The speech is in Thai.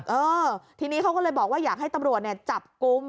เออทีนี้เขาก็เลยบอกว่าอยากให้ตำรวจเนี่ยจับกลุ่ม